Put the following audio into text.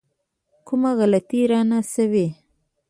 کومه غلطي رانه شوې.